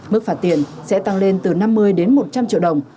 mức phạt tiền sẽ tăng lên từ năm mươi đến một trăm linh triệu đồng